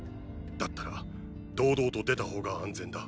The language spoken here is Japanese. だったら堂々と出た方が安全だ。